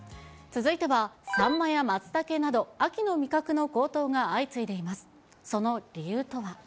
続いては、サンマやマツタケなど、秋の味覚の高騰が相次いでいます。